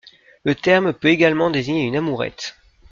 Le terme peut également désigner une amourette.